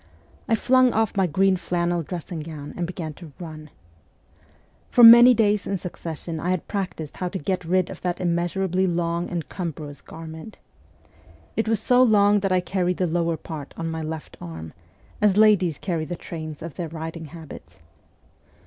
I flung off my green flannel dressing gown and began to run. For many days in succession I had practised how to get rid of that immeasurably long and cumbrous garment. It was so long that I carried the lower part on my left arm, as ladies carry the trains of their riding habits.